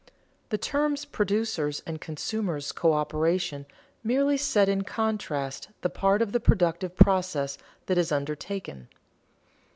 The terms producers' and consumers' coöperation merely set in contrast the part of the productive process that is undertaken.